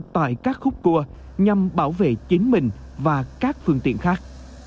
tại các khúc cua nhằm bảo vệ chính mình và các phương tiện khác